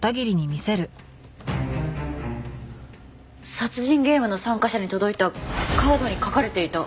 殺人ゲームの参加者に届いたカードに描かれていた。